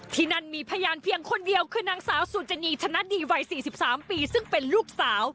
ที่นั่นมีพยานเพียงคนเดียวคือนางสาวสุจนีธนดีวัย๔๓ปีซึ่งเป็นลูกสาว